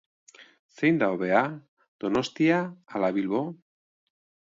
Zein da hobea? Donostia ala Bilbo?